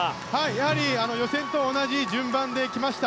やはり予選と同じ順番で来ました。